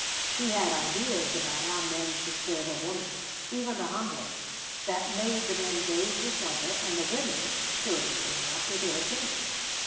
She had ideas about how men should serve a woman, even the humblest, that made the men gaze with wonder, and the women (curiously enough) with irritation.